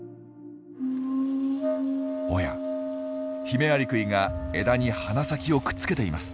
おやヒメアリクイが枝に鼻先をくっつけています。